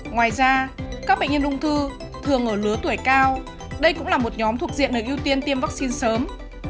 ngoài ra các bệnh nhân ung thư thường ở lứa tuổi cao đây cũng là một nhóm thuộc diện nợ ưu tiên tiêm vắc xin sớm